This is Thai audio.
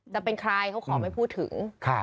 จะเป็นใครเขาขอไม่พูดถึง